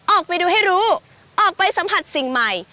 ออกไปดูให้รู้ออกไปสัมผัสสิ่งใหม่